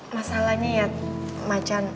masalahnya ya macan